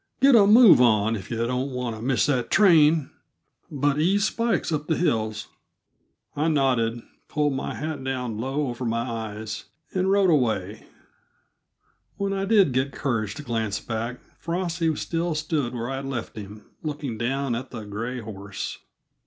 Get a move on, if yuh don't want to miss that train but ease Spikes up the hills!" I nodded, pulled my hat down low over my eyes, and rode away; when I did get courage to glance back, Frosty still stood where I had left him, looking down at the gray horse.